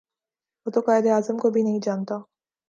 وہ تو قاہد اعظم کو بھی نہیں جانتا